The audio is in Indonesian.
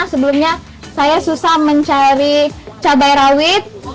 sebelumnya saya susah mencari cabai rawit